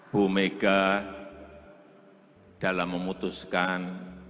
bu mega dalam memutuskan